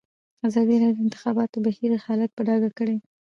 ازادي راډیو د د انتخاباتو بهیر حالت په ډاګه کړی.